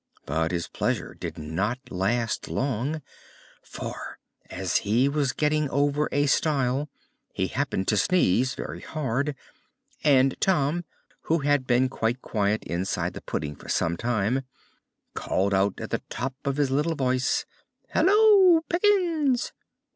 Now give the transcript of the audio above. But his pleasure did not last long, for, as he was getting over a stile, he happened to sneeze very hard, and Tom, who had been quite quiet inside the pudding for some time, called out at the top of his little voice, "Hallo, Pickens!"